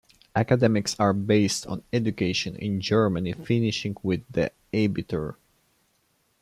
Academics are based on education in Germany, finishing with the Abitur.